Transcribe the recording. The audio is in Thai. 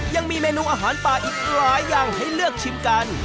ยังมีเมนูอาหารป่าอีกหลายอย่างให้เลือกชิมกัน